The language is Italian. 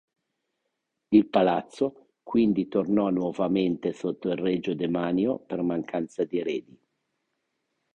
Il palazzo quindi tornò nuovamente sotto il regio demanio per mancanza di eredi.